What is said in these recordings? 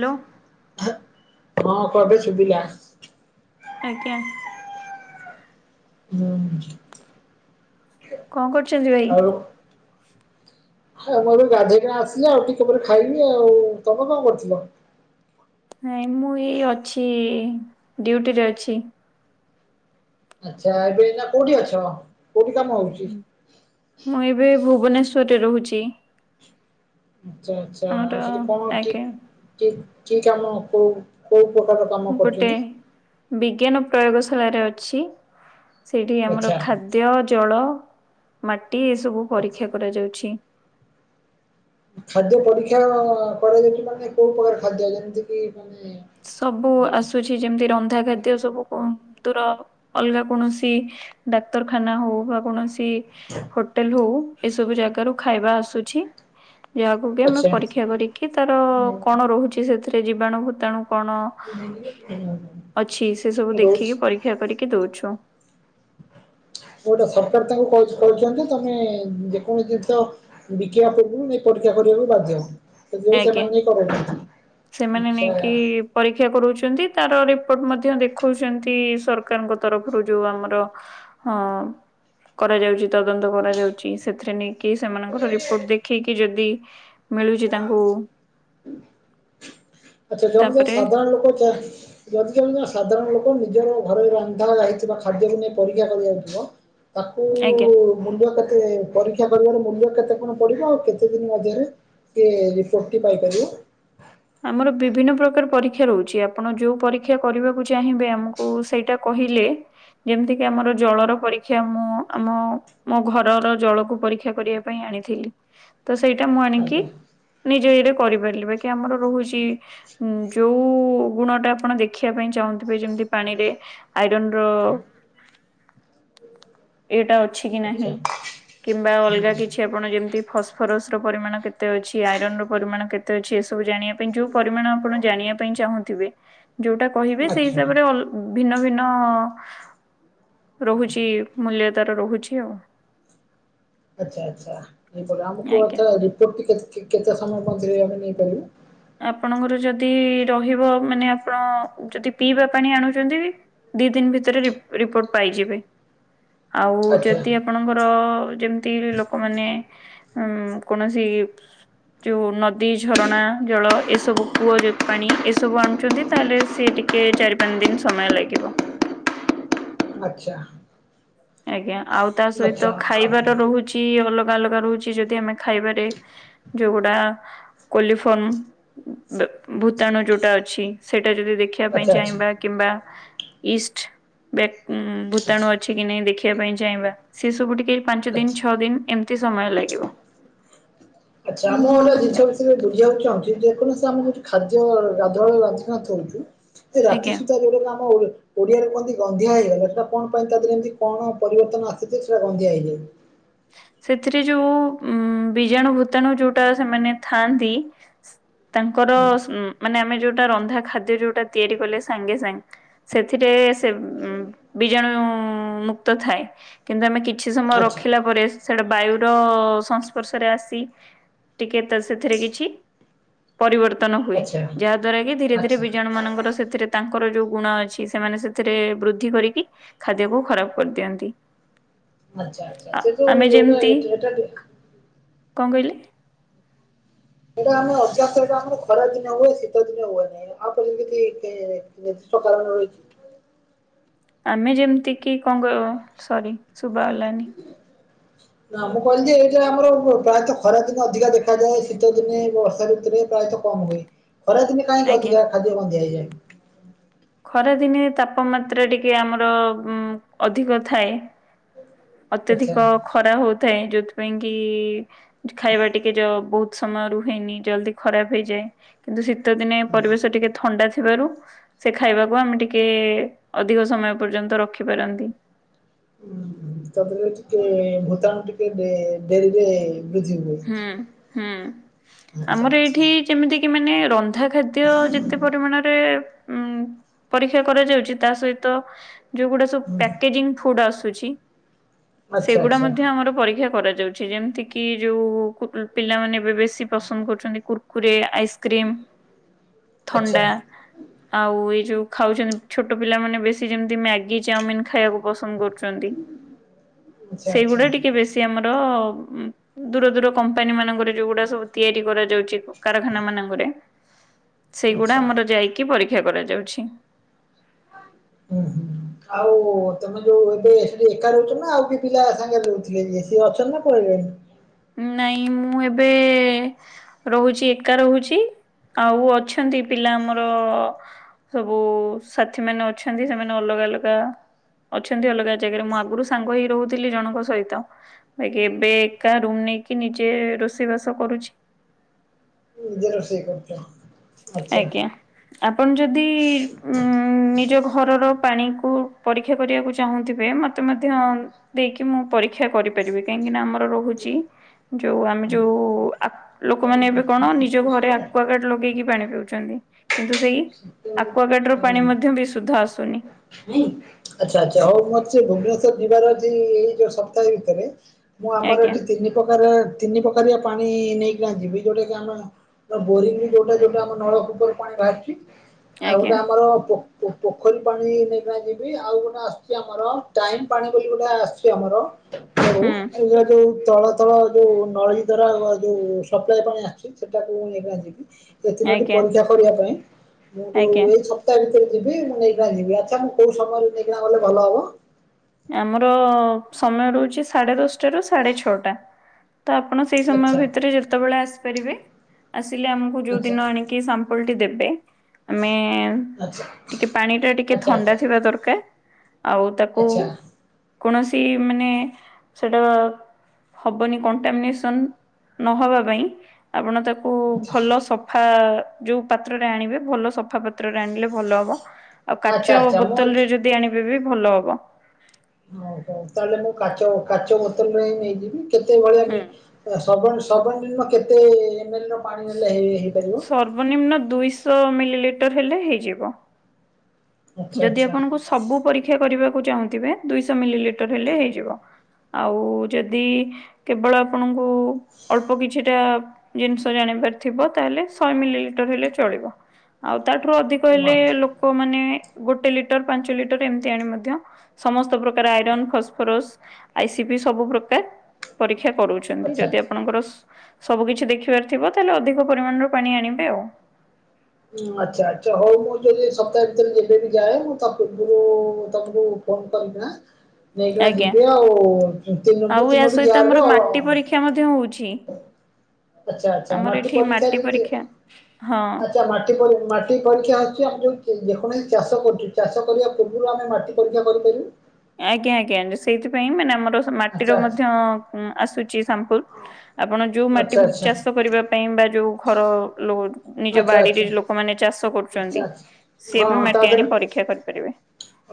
Hello ହଁ କ ଏବେ ଶୁଭିଲା। ଆଜ୍ଞା। ହୁଁ କଣ କରୁଛନ୍ତି ଭାଇ? ଆଉ। ମୁଁ ଏବେ ଠୁ ଗାଧେଇ କିନା ଆସିିଲି ଆଉ ଟିକେ ପରେ ଖାଇବି ଆଉ ତମେ କଁ କରିଥିଲ। ନାଇଁ ମୁଁ ଏଇ ଅଛି ଡ୍ୟୁଟି ରେ ଅଛି। ଆଚ୍ଛା ଏବେ ଏଇନା କୋଉଠି ଅଛ କୋଉଠି କାମ ହଉଛି। ମୁଁ ଏବେ ଭୁବନେଶ୍ଵରରେ ରହୁଛି। ଆଚ୍ଛା ଆଚ୍ଛା ଆମର ଆଉ ସେଠି କଣ କି ଆଜ୍ଞା କି କି କାମ କୋଉ କୋଉ ପ୍ରକାର କାମ। ଗୋଟେ କରୁଛନ୍ତି ବିଜ୍ଞାନ ପ୍ରୟୋଗଶାଳାରେ ଅଛି ସେଇଠି ଆମର ଆଚ୍ଛା ଖା ଦ୍ୟ ଜଳ ମାଟି ଏସବୁ ପରୀକ୍ଷା କରାଯାଉଛି। ଖାଦ୍ୟ ପରୀକ୍ଷା କରାଯାଉଚି ମାନେ କୋଉ ପ୍ରକାର ଖାଦ୍ୟ ଯେମିତି କିି ମାନେ ସବୁ ଆସୁଛି ଯେମିତି ରନ୍ଧା ଖାଦ୍ୟ ସବୁ କଣ ତୁର ଅଲଗା କୌଣସି ଡାକ୍ତରଖାନା ହଉ ବା କୌଣସି କି ହୋଟେଲ ହଉ ଏସବୁ ଜାଗାରୁ ଖାଇବା ଆସୁଛି। ଯାହାକୁ କି ଆମେ ଆଚ୍ଛା ପରୀକ୍ଷା କରିକି ତାର କଣ ରହୁଚି ସେଥିରେ ଜୀବାଣୁ ଭୂତାଣୁ କଣ ଅଛି ସେ ସବୁ ରହୁଛି ଦେଖିକି ପରୀକ୍ଷା କରିକି ଦଉଛୁ। ଗୋଟେ ସରକାର ତାଙ୍କୁ କହୁଚନ୍ତି ତମେ ଯେକୌଣସି ଜିନିଷ ବିକିବା ପୂର୍ବରୁ ନେଇକି ପରୀକ୍ଷା କରିବାକୁ ବାଧ୍ୟ। ତ ଦେଉ ଆଜ୍ଞା। ସେମାନେ ନେଇ [unintelligible] ସେମାନେ ଅଛା। ନେଇକି ପରୀକ୍ଷା କରଉଚନ୍ତି। ତାର ରିପୋର୍ଟ ମଧ୍ୟ ଦେଖଉଚନ୍ତି ସରକାରଙ୍କ ତରଫରୁ ଯୋଉ ଆମର ହଁ। କରାଯାଉଚି ତଦନ୍ତ କରାଯାଉଚି ସେଥିରେ ନେଇକି ସେମାନଙ୍କର ରିପୋର୍ଟ ଦେଖେଇକି ଯଦି ମିଳୁଚି ତାଙ୍କୁ ଆଚ୍ଛା ଜଣେ ତ ତାପରେ ସାଧାରଣ ଲୋକ ତା ଯଦି ଜଣେ ସାଧାରଣ ଲୋକ ନିଜର ଘରରେ ରନ୍ଧା ହୋଇଥିବା ଖାଦ୍ୟକୁ ନେଇ ପରୀକ୍ଷା କରିବାକୁ ଯିବ ତାକୁ ଆଜ୍ଞା। ମୂଲ୍ୟ କେତେ ପରୀକ୍ଷା କରିବାର ମୂଲ୍ୟ କେତେ କଣ ପଡିବ ଆଉ କେତେ ଦିନ ମଧ୍ୟରେ କିଏ ରିପୋର୍ଟଟି ପାଇପାରିବ। ଆମର ବିଭିନ୍ନ ପ୍ରକାର ପରୀକ୍ଷା ରହୁଚି। ଆପଣ ଯୋଉ ପରୀକ୍ଷା କରିବାକୁ ଚାହିଁବେ ଆମକୁ ସେଇଟା କହିଲେ ଯେମିତି କିି ଆମର ଜଳର ପରୀକ୍ଷା ମୁଁ ଆମ ମୋ ଘରର ଜଳକୁ ପରୀକ୍ଷା କରିବା ପାଇଁ ଆଣିଥିଲି। ତ ସେଇଟା ମୁଁ ଆଣିକି ଆଜ୍ଞା ନିଜ ଇଏରେ କରିପାରିଲି ବାକି ଆମର ରହୁଚି ଯୋଉ ଗୁଣଟା ଆପଣ ଦେଖିବା ପାଇଁ ଚାହୁଁଥିବେ ଯେମିତି ପାଣିରେ ଆଇରନର ଏଇଟା ଅଛି କି ଆଚ୍ଛା ନାହିଁ। କିମ୍ବା ଅଲଗା ହୁଁ କିଛି ଆପଣ ଯେମିତି ଫସ୍ଫରସର ପରିମାଣ କେତେ ଅଛି ଆଇରନ ର ପରିମାଣ କେତେ ତ ଏସବୁ ଜାଣିବା ପାଇଁ ଯୋଉ ପରିମାଣ ଆପଣ ଜାଣିବା ପାଇଁ ଚାହୁଁଥିବେ ଯୋଉଟା କହିବେ ସେଇ ଆଚ୍ଛା। ହିସାବରେ ଅଲ ଭିନ୍ନ ଭିନ୍ନ ରହୁଚି ମୂଲ୍ୟ ତାର ରହୁଚି ଆଉ। ଆଛା ଆଛା ଆମକୁ ଆଜ୍ଞା। ରିପୋର୍ଟଟି କେତ କେତେ ସମୟ ମଧ୍ୟରେ ଆମେ ନେଇପାରିବୁ? ଆପଣଙ୍କର ଯଦି ରହିବ ମାନେ ଆପଣ ଯଦି ପିଇବା ପାଣି ଆଣୁଚନ୍ତି ଦି ଦିନ ଭିତରେ ରିପ୍ ରିପୋର୍ଟ ପାଇଯିବେ। ଆଉ ଆଚ୍ଛା ଯଦି ଆପ ଣଙ୍କର ଯେମିତି ଲୋକମାନେ ଉ କୌଣସି ଯୋଉ ନଦୀ ଝରଣା ଜଳ ଏସବୁ କୂଅ ଯେ ପାଣି ଏସବୁ ଆଣୁଚନ୍ତି ତାହେଲେ ସିଏ ଟିକେ ଚାରି ପାଞ୍ଚ ଦିନ ସମୟ ଲାଗିବ। ଆଚ୍ଛା। ଆଜ୍ଞା ଆଉ ତା ସହିତ ଆଚ୍ଛା ଆ ଖାଇବାର ରହୁଚି ଅଲଗା ଅଲଗା ରହୁଚି ଯଦି ଆମେ ଖାଇବାରେ ଯଉଗୁଡ଼ା କୋଲିଫନ୍ ଭୂତାଣୁ ଯୋଉଟା ଅଛି ସେଇଟା ଯଦି ଦେଖ ଦେଖିବା ପାଇଁ ଆଚ୍ଛା ଆଚ୍ଛା ଚାହିଁବା କିମ୍ବା ଇଷ୍ଟ ବ୍ୟାକ୍ ଉଁ ଭୂତାଣୁ ଅଛି କିି ନାଇ ଦେଖିବା ପାଇଁ ଚାହିଁବା ସେସବୁ ଟିକେ ପାଞ୍ଚ ଦିନ ଆଚ୍ଛା। ଛଅ ଦିନ ଏମିତି ସମୟ ଲାଗିବ। ଆଚ୍ଛା ଆମ ଏଆ ଜିନିଷ ବିଷୟରେ ବୁଝିବାକୁ ଚାହୁଚି ଯେକୌଣସି ଆମ ଯୋ ଖାଦ୍ୟ ଗାଧୁଆ [unintelligible] ଏ ରାତି ଆଜ୍ଞା ସୁଦ୍ଧା ଯେଉଡେ ଆମ ଅ ଓଡିଆରେ କୁହନ୍ତି ଗନ୍ଧିଆ ହେଇଗଲା ସେଇଟା କଣ ପାଇଁ ତା ଦେହରେ ଏମିତି କଣ ପରିବର୍ତ୍ତନ ଆସିଯେ ସେଇଟା ଗନ୍ଧିଆ ହେଇଯାଏ? ସେଥିରେ ଯୋଉ ବୀଜାଣୁ ଭୂତାଣୁ ଜୋଉଟା ସେମାନେ ଥାଆନ୍ତି ତାଙ୍କର ଉଁ ମାନେ ଆମେ ଯୋଉଟା ରନ୍ଧା ଖାଦ୍ୟ ଯୋଉଟା ତିଆରି କଲେ ସାଙ୍ଗେ ସାଙ୍ଗ ସେଥିରେ ସେ ବିଜାଣୁ ମୁକ୍ତ ଥାଏ। କିନ୍ତୁ ଆମେ କିଛି ସମୟ ଆଚ୍ଛା ରଖିଲା ପରେ ସେଟା ବାୟ ର ସଂସ୍ପର୍ଶରେ ଆସି ଟିକେ ସେଥିରେ କିଛି ପରିବର୍ତ୍ତନ ହୁଏ ଆଚ୍ଛା ଯାହା ଦ୍ଵାରା କି ଧୀରେ ଧୀରେ ଆଚ୍ଛା ବିଜାଣୁ ମାନଙ୍କର ସେଥିରେ ତାଙ୍କର ଯୋଉ ଗୁଣ ଅଛି ସେମାନେ ସେଥିରେ ବୃଦ୍ଧି କରିକି ଖାଦ୍ୟକୁ ଖରାପ କରିଦିଅନ୍ତି। ଆଚ୍ଛା ଆଛା ସେଯୋଉ ଆମେ ଏଟା ଯେମିତି ଏଟି ହେଠୀ କଣ କହିଲେ? ସେଇଟା ଆମେ ଅଯ୍ୟାସ ସେଇଟା ଆମ ଖରା ଦିନ ହୁଏ ଶୀତ ଦିନେ ହୁଏ ନାହିଁ। ଆଉପରେ ଯେମିତିକି କେ ଯୁକ୍ତ କାରଣ ରହିଚି। ଆମେ ଯେମତି କି କଣ କହିବ ସରି ଶୁଭ ଗଲାନିହିଁ ହ ନା ମୁଁ କହିଲି ଯେ ଏଇଟା ଆମର ପ୍ରାୟତଃ ଖରାଦିନେ ଅଧିକା ଦେଖାଯାଏ ଶୀତ ଦିନେ ବର୍ଷା ଋତୁରେ ପ୍ରାୟତଃ କମ ହୁଏ ଖରାଦିନେ କାହିଁକି ଆଜ୍ଞା। ଅଧିକା ଖାଦ୍ୟ ବନ୍ଦିଆ ହେଇଯଏ? ଖରାଦିନେ ତାପମାତ୍ରା ଟିକେ ଆମର ଅଧିକ ଥାଏ। ଆଚ୍ଛା। ଅତ୍ୟଧିକ ଖରା ହୋଉଥାଏ ଯୋଉଥିପାଇଁ କି ଖାଇବା ଟିକେ ଯ ବହୁତ ସମୟ ରୁହେନି ଜଲଦି ଖରାପ ହେଇଯାଏ କିନ୍ତୁ ସେ ଗୀତ ଦିନେ ପରିବେଶ ଟିକେ ଥଣ୍ଡା ଥିବାରୁ ସେ ଖାଇବାକୁ ଆମେ ଟିକେ ଅଧିକ ସମୟ ପର୍ଯ୍ୟନ୍ତ ରଖି ପାରନ୍ତି। ତା ଦେହରେ ଟିକେ ଭୂତାଣୁ ଟିକେ ଡେ ଡେରିରେ ବୃଦ୍ଧି ହୁଏ। ହୁଁ ହୁଁ ଆଚ୍ଛା ଆମର ଆଚ୍ଛା ଏଇଠି ଯେମିତି କି ମାନେ ର ରନ୍ଧା ଖାଦ୍ୟ ଯେତେ ପରିମାଣରେ ଉ ପରୀକ୍ଷା କରାଯାଉଚି ତା ସହିତ ଯୋଉ ଗୁଟେ ସବୁ ହୁଁ, ପ୍ୟାକେଜିଂ ଫୁଡ ଆସୁଛି। ଆଚ୍ଛା ସେଗୁଡା ଆଚ୍ଛା ମଧ୍ୟ ଆମର ପରୀକ୍ଷା କରାଯାଉଛି। ଯେମିତି କି ଯୋଉ ପିଲାମାନେ ଏବେ ବେଶୀ ପସନ୍ଦ କରୁଚନ୍ତି କୁର୍କୁରେ ଆଇସ୍ କ୍ରିମ୍ ଆଚ୍ଛା ଥଣ୍ଡା ଆଉ ଏଇ ଯୋଉ ଖାଉଚନ୍ତି ଛୋଟ ପିଲାମାନୋନେ ବେଶୀ ଯେମିତି ମ୍ୟାଗି ଚାଉମିିନ ଖାଇବାକୁ ପସନ୍ଦ କରୁଚନ୍ତି। ଆଚ୍ଛା ଆଚ୍ଛା। ସେଇଗୁଡା ଟିକେ ବେଶୀ ଆମର ଦୂର ଦୂର କମ୍ପାନୀ ମାନଙ୍କରେ ଯୋଉଗୁଡା ସବୁ ତିଆରି କରାଯାଉଛି କାରଖାନା ମାନଙ୍କରେ ସେଇଗୁଡା ଆଚ୍ଛା। ଆମର ଯାଇକି ପରୀକ୍ଷା କରାଯାଉଛି। ଉଁ ହୁଁ। ଆଉ ତମେ ଯୋଉ ଏବେ ସେଠି ଏକା ରହୁଚ ନା ଆଉକିଏ ପିଲା ସାଙ୍ଗେରେ ରହୁଥିଲେ ସ ଅଛନ୍ତୀ ନା ପଳେଇଣି ନାଇଁ ମୁଁ ଏବେ ରୋହୂଚି ଏକା ରୋହୁଚି ଆଉ ଅଛନ୍ତି ପିଲା ଆମର ସବୁ ସାଥି ମାନେ ଅଛନ୍ତି ସେମାନେ ଅଲଗା ଅଲଗା ଅଛନ୍ତି ଅଲଗା ଜାଗାରେ ମୁଁ ଆଗରୁ ସାଙ୍ଗ ହୋଇ ରହୁଥିଲି ଜଣଙ୍କ ସହିତ ବାକି ଏବେ ଏକା ରୁମ ନେଇକି ନିଜେ ରୋଷେଇ ବାସ କରୁଛି। ନିଜେ ରୋଷେଇ କରୁଚ? ଆଜ୍ଞା ଆପଣ ଯଦି ଉଁ ଉଁ ନିଜ ଘରର ପାଣିକୁ ପରୀକ୍ଷା କରିବାକୁ ଚାହୁଁଥିବେ ମତେ ମଧ୍ୟ ଦେଇକି ମୁଁ ପରୀକ୍ଷା କରିପାରିବି କାହିଁକି ନା ଆମର ରୋହୁଚୀ ଯୋଉ ଆମେ ଯୋଉ ଆକ୍ ଲୋକମାନେ ଏବେ କଣ ନିଜ ଘରେ ଆକୁଅଗାର୍ଡ ଲଗେଇକି ପାଣି କିନ୍ତୁ ସେଇ ଆକ୍ୱଗାର୍ଡ ର ପାଣି ମଧ୍ୟ ବିସୁଦ୍ଧ ଆସୁନି। ହୁଁ ଆଚ୍ଛା ଆଚ୍ଛା ହଉ ମତେ ଭୁବନେଶ୍ଵର ଯିବାର ଯ ଏଇ ଯୋଉ ସପ୍ତାହେ ଭିତରେ ମୁଁ ଆମର ଆଜ୍ଞା ଏଠି ତିନି ପ୍ରକାର ତିନି ପ୍ରକାରିଆ ପାଣି ନେଇକିନା ଯିବି ଯେଉଁଟାକି ଆମେ ତ୍ ବୋରିଂରେ ଯୋଉଟା ଯୋଉଟା ଆମ ନଳକୂପରୁ ପାଣି ବାହାରିଛି ଆଉ ଆଜ୍ଞା ଗୋଟେ ଆମର ପୋଖ ପାଣି ନେଇକିନା ଯିବି ଆଉ ଗୋଟେ ଆସୁଛି ଆମର ଟାଇମ ପାଣି ବୋଲି ଗୋଟେ ଆସିଛି ଆମର ହଉ ହୁଁ ଏଇା ଯୋଉ ତଳ ର ଯୋଉ ନଳୀ ଧର ଯୋଉ ସପ୍ଲାଇ ପାଣି ଆସିୁଛି ସେଟାକୁ ନେଇକି ଯିବି ସେ ତିନୋଟି ଆଜ୍ଞା ପରୀକ୍ଷା କରିବା ପାଇଁ ମୁଁ ଯୋଉ ଆଜ୍ଞା। ଏଇ ସ ତା ଭିତରେ ଯିବି ମୁଁ ନେଇକି ଯିବି ଆଚ୍ଛା ମୁଁ କୋଉ ସମୟରେ ନେଇକିନା ଗଲେ ଭଲ ହବ? ଆମର ସମୟ ରହୁଛି ସାଢେ ଦଶଟା ରୁ ସାଢେ ଛଅଟା। ତ ଆପଣ ସେଇ ସମୟ ଆଚ୍ଛା ଭିତରେ ଯେତେବେଳେ ଆସିପାରିବେ ଆସିଲେ ଆମକୁ ଯୋଉ ଆଚ୍ଛା ଦିନ ଆଣ କି ସାମ୍ପଲଟି ଦେବେ ଆମେ ଆଚ୍ଛା ଟିକେ ପାଣି ଟା ଟିକେ ଆଚ୍ଛା ଥଣ୍ଡା ଥିବା ଦରକାର ଆଉ ଆଚ୍ଛା ତାକୁ ଆଚ୍ଛା କୌଣସି ମାନେ ସେଟା ହବନି କଣ୍ଟାମିନେସନ୍ ନହବା ପାଇଁ ଆପଣ ତା କୁ ଭଲ ଆଚ୍ଛା ସଫା ଯୋଉ ପାତ୍ରରେ ଆଣିବେ ଭଲ ସଫା ପାତ୍ରରେ ଆଣିଲେ ଭଲ ହବ? ଆଉ କାଚ ଆଚ୍ଛା ମୁଁ ବୋତଲ ଏଠି ରେ ଯଦି ଆଣିବେ ବି ଭଲ ହବ। ହଉ ହଉ ତାହେଲେ ମୁଁ କାଚ କାଚ ବୋତଲରେ ନେଇଯିବି କେତେବେଳେଆ ହୁଁ ସର୍ଵନିମ୍ନ କେତେ ଏମ ଏଲ ର ପାଣି ନେଲେ ହେ ହେ ସର୍ବନିମ୍ନ ଦୁଇଶହ ମିଲିଲିଟର ହେଲେ ହେଇଯିବ। ଆଚ୍ଛା ଯଦି ଆଚ୍ଛା ଆପଣଙ୍କୁ ସବୁ ପରୀକ୍ଷା କରିବାକୁ ଚାହୁଁଥିବେ ଦୁଇଶହ ମିଲିଲିଟର ହେଲେ ହେଇଯିବ? ଆଉ ଯଦି କେବଳ ଆପଣଙ୍କୁ ଅଳ୍ପ କିଛିଟା ଜିନିଷ ଜାଣିବାର ଥିବ ତାହେଲେ ଶହେ ମିଲିଲିଟର ହେଲେ ଚଳିବ। ଆଉ ତାଠାରୁ ଅଧିକ ଆଚ୍ଛା ହେଲେ ଆଚ୍ଛା। ଲୋକମାନେ ଗୋଟେ ଲିଟର ପାଞ୍ଚ ଲିଟର ଏମିତି ଆଣି ମଧ୍ୟ ସମସ୍ତ ପ୍ରକାର iron phosphorus I C P ସବୁ ପ୍ରକାର ପରୀକ୍ଷା କରୁଛୁ। ଯଦି ଆଚ୍ଛା। ଆପଣଙ୍କର ସବୁ କିିଛି ଦେଖିବାର ଥିବ ତାହେଲେ ଅଧିକ ପରିମାଣର ପାଣି ଆଣିବେ ଆଉ ହଁ ଆଛା ଆଚ୍ଛା ହଉ ମୁଁ ଯଦି ସପ୍ତାହେ ଭିତରେ ଯେବେ ବି ଯାଏ ମୁଁ ତା ପୂର୍ବରୁ ତମକୁ ଫୋନ୍ କରିବି ନେଇକିନା ଆଜ୍ଞା। ଯିବେ ଆଉ [unintelligible] ତିନୋଟି ଯାରରେ ଖିଆ ମଧ୍ୟ ହଉଛି। ଆଛା ଆଛା ଆମର ମାଟି ଏଠି ପରୀକ୍ଷା ଯଦି ପରୀକ୍ଷା ହଁ। ଆଛା ମାଟି ମାଟି ମାଟି ପରୀକ୍ଷା ଆସୁଛି ଆମେ ଯୋଉ ଯେକୌଣସି ଚାଷ କରୁଛୁ ଚାଷ କରିବା ପୂର୍ବରୁ ଆମେ ମାଟି ପରୀକ୍ଷା କରିପାରିବୁ? ଆଜ୍ଞା ଆଜ୍ଞା ସେଇଥିପାଇଁ ମାନେ ଆମର ଆଚ୍ଛା ମାଟିର ଆଚ୍ଛା ମଧ୍ୟ ଆସୁଛି ସାମ୍ପୂଲ୍ ଆପଣ ଉ ଆଚ୍ଛା ଆଚ୍ଛା ଚାଷ କରିବା ପାଇଁ ବା ଯୋଉ ଘର ଲୋନ ଏ ଯୋଉ ଆଚ୍ଛା ବାଡିରେ ଆଚ୍ଛା ଲୋକମାନେ ଚାଷ ଆଚ୍ଛା କରୁଛନ୍ତି ଆଚ୍ଛା ସେ ହଁ ବି ହଁ ତା ମାଟି ଆଣି ଦେହରେ ପରୀକ୍ଷା କରିପାରିବେ?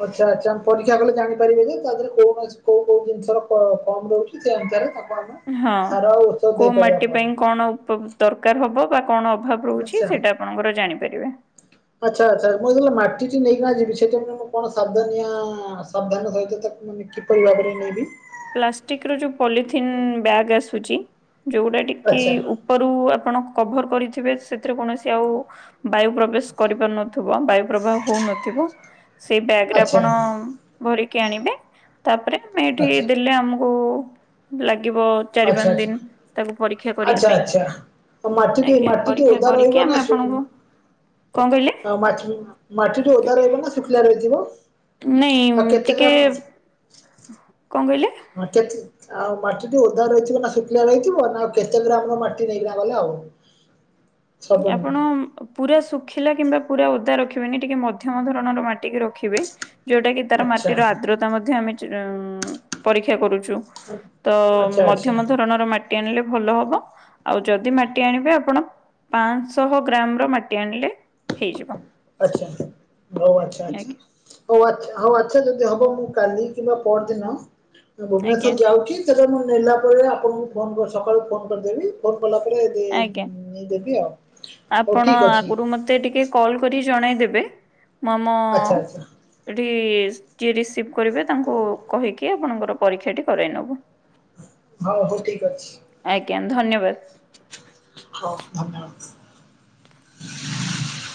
ଆଚ୍ଛା ଆଚ୍ଛା ପରୀକ୍ଷା କଲେ ଜାଣିପାରିବେ ଯେ ତା ଦେହରେ କୌଣସି କୋଉ କୋଉ ଜିନିଷର କମ୍ ରହୁଛି। [inaudible] ହଁ ସାର ଆଉ ଔଷଧ କୋଉ ଦେଇପାରିବା ମାଟି ପରେ ପାଇଁ କଣ ଉପ ଦରକାର ହବ ବା କଣ ଅଭାବ ରହୁଛି ଆଚ୍ଛା। ସେଇଟା ଆପଣଙ୍କର ଜାଣିପାରିବେ? ଆଚ୍ଛା ଆଚ୍ଛା ମୁଁ ଯେତେ ମାଟିଟି ନେଇକିନା ଯିବି ସେଥି ମୁଁ କଣ ସାବଧାନ ସାବଧାନ ସହିତ ମାନେ କିପରି ଭାବରେ ନେବି ପ୍ଲାଷ୍ଟିକ ର ଯୋଉ ପଲିଥିନ୍ ବ୍ୟାଗ୍ ଆସୁଛି ଯୋଉଗୁଡା କି ଆଚ୍ଛା ଉପରୁ ଆପଣ କଭର କରିଥିବେ ସେଥିରେ କୌଣସି ଆଉ ବାୟୁ ପ୍ରବେଶ କରିପାରୁନ ବାୟୁ ପ୍ରବାହ ହଉନଥିବ ସେଇ ବ୍ୟାଗ ରେ ଆଚ୍ଛା ଆପଣ ଆଚ୍ଛା। ଭରିକି ଆଣିବେ? ତାପରେ ଆମେ ଏଇଠି ଆଚ୍ଛା ଦେଲେ ଆମକୁ ଲାଗିବ ଚାରି ପାଞ୍ଚ ଆଚ୍ଛା ଦିନ ତାକୁ ପରୀକ୍ଷା କରିବା ଆଚ୍ଛା ପାଇଁ। ଆଚ୍ଛା ଆଉ ମାଟିଟି ଆଜ୍ଞା ମାଟିଟି ପରୀକ୍ଷା ଓଦା କରିକି ରହିବ ନା ଆମେ ସୁ ଆପଣଙ୍କୁ କଣ କହିଲେ ଆଉ ମାଟି ମାଟିଠୁ ଓଦା ରହିବ ନା ଶୁଖିଲ ରହିଯିବ? ନାଇଁ ଟିକେ, କଣ କହିଲେ? [inaudible] ଆଉ ମାଟି ଟି ଓଦା ରହିିଥିବ ନା ଶୁଖିଲା ରହିଥିବ ନା ଆଉ କେତେ ଗ୍ରାମର ମାଟି ନେଇକିନା ଗଲେ ହବ? [inaudible] ଆପଣ ପୁରା ଶୁଖିଲା କିମ୍ବା ପୁରା ଓଦା ରଖିବେନି ଟିକେ ମଧ୍ୟମ ଧରଣର ମାଟିିକି ରଖିବେ। ଯୋଉଟା କିି ତାର ଆଚ୍ଛା ମାଟିର ଆର୍ଦ୍ରତା ମଧ୍ୟ ଆମେ ପରୀକ୍ଷା କରୁଛୁ। ତ ଆଚ୍ଛା ଆଚ୍ଛା ମଧ୍ୟମ ଧରଣର ମାଟି ମାଟି ଆଣିଲେ ଭଲ ହବ। ଆଉ ଯଦି ମାଟି ଆଣିବେ ଆପଣ ପାଞ୍ଚଶହ ଗ୍ରାମ ର ମାଟି ଆଣିଲେ ହେଇଯିବ। ଆଚ୍ଛା ହଉ ଆଚ୍ଛା ଆଜ୍ଞା ଆଚ୍ଛା। ହଉ ଆଛା ହଉ ଆଚ୍ଛା ଯଦି ହବ ମୁଁ କାଲି କିମ୍ବା ପଅର ଦିନ ମୁଁ ଆଜ୍ଞା ଭୁବନେଶ୍ଵର ଯାଉଛି। ସେଟା ମୁଁ ନେଲା ବେଳେ ଆପଣଙ୍କୁ ଫୋନ୍ ସକାଳୁ ଫୋନ୍ କରିଦେବି। ଫୋନ୍ କଲା ପରେ ଆଜ୍ଞା। ନେଇ ଦେବି ଆଉ। ହଉ ଆପଣ ଠିକ୍ ଅଛି। ଆଗରୁ ମତେ ଟିକେ କଲ୍ କରି ଜଣେଇ ଦେବେ। ମୁଁ ଆମ ଆଚ୍ଛା ଆଚ୍ଛା ଏଇଠି ଯିଏ ରିସିଭ୍ କରିବେ ତାଙ୍କୁ କହିକି ଆପଣଙ୍କର ପରୀକ୍ଷାଟି କରାଇ ନବୁ। ହଉ ହଉ ଠିକ ଅଛି। ଆଜ୍ଞା ଧନ୍ୟବାଦ। ହଁ ଧନ୍ୟବାଦ।